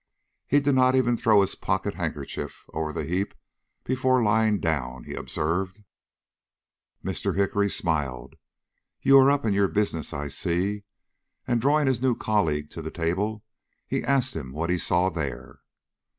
"He did not even throw his pocket handkerchief over the heap before lying down," he observed. Mr. Hickory smiled. "You're up in your business, I see." And drawing his new colleague to the table, he asked him what he saw there.